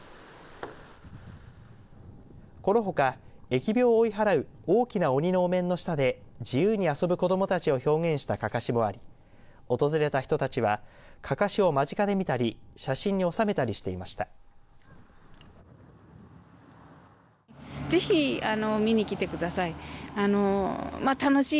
このほか、疫病を追い払う大きな鬼のお面の下で自由に遊ぶ子どもたちを表現したかかしもあり訪れた人たちはかかしを間近で見たり写真におさめたりしていました。